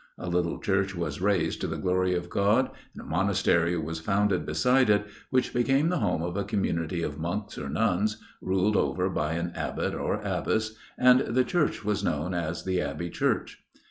A little church was raised to the glory of God, and a monastery was founded beside it, which became the home of a community of monks or nuns, ruled over by an Abbot or Abbess; and the church was known as the Abbey Church.